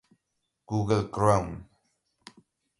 google chrome